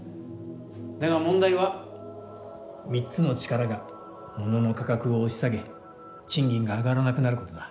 だが問題は３つの力がモノの価格を押し下げ賃金が上がらなくなることだ。